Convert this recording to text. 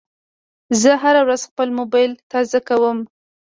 زه هره ورځ خپل موبایل تازه کوم.